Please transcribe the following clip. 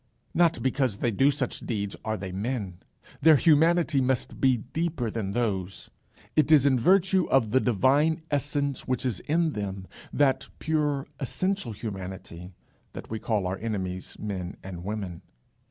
Not because they do such deeds are they men. Their humanity must be deeper than those. It is in virtue of the divine essence which is in them, that pure essential humanity, that we call our enemies men and women.